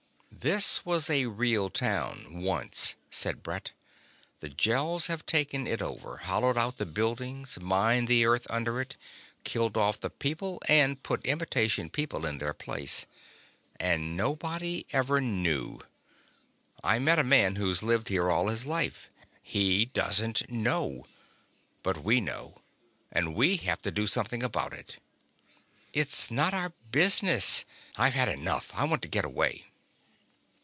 "This was a real town, once," said Brett. "The Gels have taken it over, hollowed out the buildings, mined the earth under it, killed off the people, and put imitation people in their place. And nobody ever knew. I met a man who's lived here all his life. He doesn't know. But we know ... and we have to do something about it." "It's not our business. I've had enough. I want to get away."